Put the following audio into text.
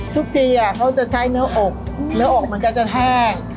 ทุกทีเขาจะใช้เนื้ออกเนื้ออกมันก็จะแห้ง